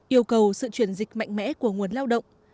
yêu cầu sự chuyển dịch mạnh mẽ của nguồn lao động